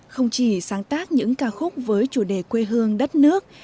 không chỉ sáng tác những ca khúc với chủ đề quê hương đất nước